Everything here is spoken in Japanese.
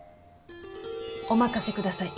お任せください。